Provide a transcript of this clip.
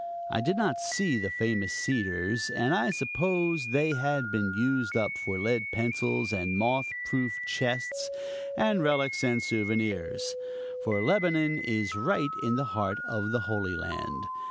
I did not see the famous cedars, and I supposed they had been used up for lead pencils, and moth proof chests, and relics, and souvenirs; for Lebanon is right in the heart of the holy land.